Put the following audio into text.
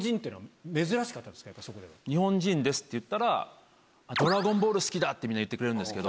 「日本人です」って言ったら「『ドラゴンボール』好きだ」ってみんな言ってくれるんですけど。